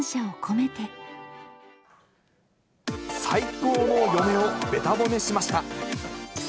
最高の嫁をべた褒めしました。